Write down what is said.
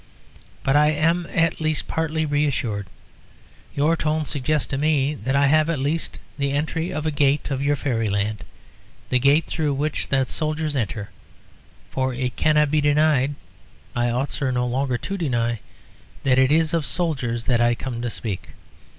But I am at least partly reassured. Your tone suggests to me that I have at least the entry of a gate of your fairyland the gate through which the soldiers enter, for it cannot be denied I ought, sir, no longer to deny, that it is of soldiers that I come to speak.